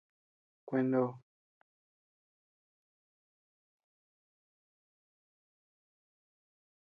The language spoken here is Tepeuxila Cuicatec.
Kuenó.